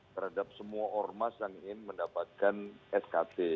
terhadap semua ormas yang ingin mendapatkan skt